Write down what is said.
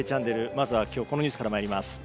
まずは今日このニュースから参ります。